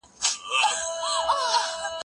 هغه وويل چي کتابونه ګټور دي،